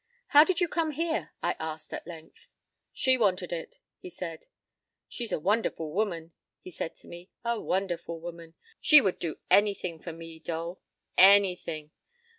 p> "How did you come here?" I asked, at length. "She wanted it," he said. "She's a wonderful woman," he said to me, "a wonderful woman. She would do anything for me, Dole. Anything!